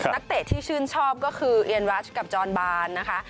นักเตะที่ชื่นชอบก็คือเอียนรัชกับจอนบานนะคะ